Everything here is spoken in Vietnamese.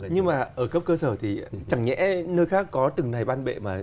nhưng mà ở cấp cơ sở thì chẳng nhẽ nơi khác có từng này ban bệ mà